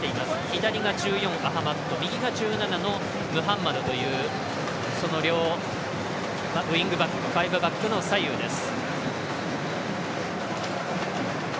左が１４アハマッド右が１７番ムハンマドという両ウイングバックファイブバックの左右です。